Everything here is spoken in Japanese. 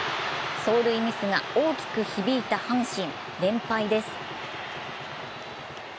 走塁ミスが大きく響いた阪神連敗です。